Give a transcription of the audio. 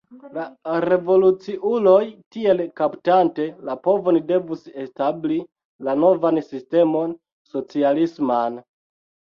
La revoluciuloj tiel kaptante la povon devus establi la novan sistemon, socialisman.